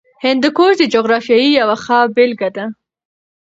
هندوکش د جغرافیې یوه ښه بېلګه ده.